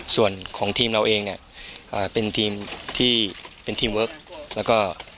ส่วนของทีมเราเองเป็นทีมเวิร์ค